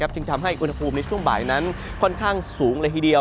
จึงทำให้อุณหภูมิในช่วงบ่ายนั้นค่อนข้างสูงเลยทีเดียว